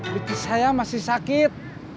bekis saya masih sakit